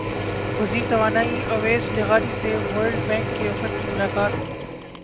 وزیر توانائی اویس لغاری سے ورلڈ بینک کے وفد کی ملاقات